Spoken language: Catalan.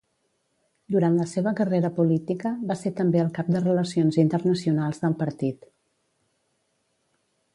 Durant la seva carrera política, va ser també el cap de Relacions Internacionals del partit.